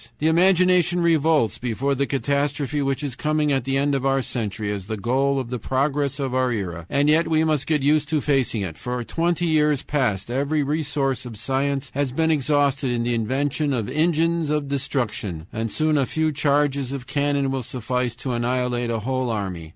"The imagination revolts before the catastrophe which is coming at the end of our century as the goal of the progress of our era, and yet we must get used to facing it. For twenty years past every resource of science has been exhausted in the invention of engines of destruction, and soon a few charges of cannon will suffice to annihilate a whole army.